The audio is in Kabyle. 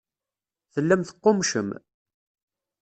Tellam teqqummcem.